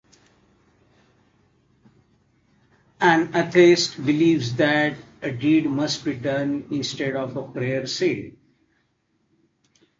An atheist believes that a deed must be done instead of a prayer said.